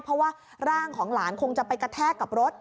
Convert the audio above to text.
เพราะว่าร่างของหลานคงจะไปกระแทกกับรถ